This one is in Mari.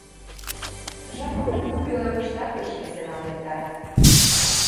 Жапым кугу пӧлемыштак пеш веселан эртарат.